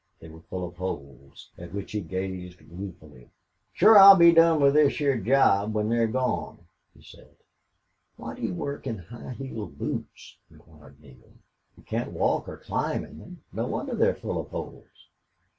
They were full of holes, at which he gazed ruefully. "Shore I'll be done with this heah job when they're gone," he said. "Why do you work in high heeled boots?" inquired Neale. "You can't walk or climb in them. No wonder they're full of holes."